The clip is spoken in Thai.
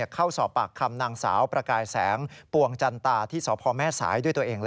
เข้าสอบปากคำนางสาวประกายแสงปวงจันตาที่สพแม่สายด้วยตัวเอง